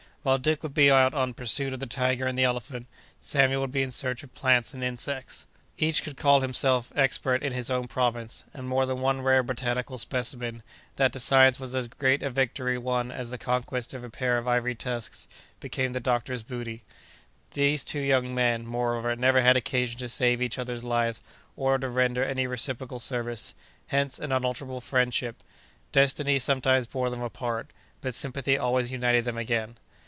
While Dick would be out in pursuit of the tiger and the elephant, Samuel would be in search of plants and insects. Each could call himself expert in his own province, and more than one rare botanical specimen, that to science was as great a victory won as the conquest of a pair of ivory tusks, became the doctor's booty. These two young men, moreover, never had occasion to save each other's lives, or to render any reciprocal service. Hence, an unalterable friendship. Destiny sometimes bore them apart, but sympathy always united them again.